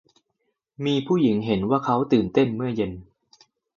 มีผู้หญิงเห็นว่าเค้าตื่นเต้นเมื่อเย็น